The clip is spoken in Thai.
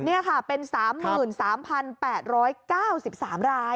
นี่ค่ะเป็น๓๓๘๙๓ราย